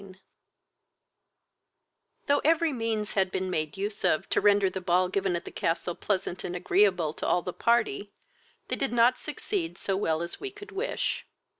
I Though every means had been made use of to render the ball given at the castle pleasant and agreeable to all the party, they did not succeed so well as we could wish.